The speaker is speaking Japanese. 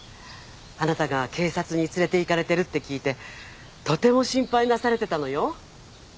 あなたが警察に連れていかれてるって聞いてとても心配なされてたのよ